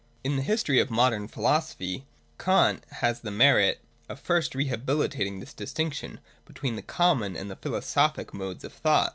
In the history of Modern Philosophy, Kant has the merit of first rehabilitating this distinction between the common and the philosophic modes of thought.